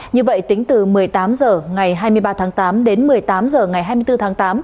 như vậy tính từ một mươi tám h ngày hai mươi ba tháng tám đến một mươi tám h ngày hai mươi bốn tháng tám